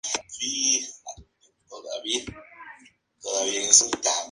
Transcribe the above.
Ese mismo año realizó un intento de suicidio pero fue hallado por un amigo.